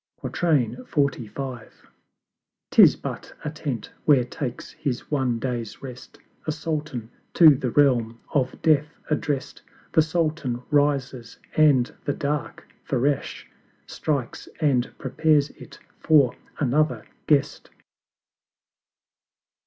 XLV. 'Tis but a Tent where takes his one day's rest A Sultan to the realm of Death addrest; The Sultan rises, and the dark Ferrash Strikes, and prepares it for another Guest.